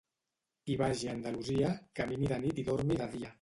Qui vagi a Andalusia, camini la nit i dormi de dia.